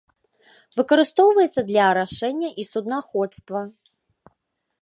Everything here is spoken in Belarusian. Выкарыстоўваецца для арашэння і суднаходства.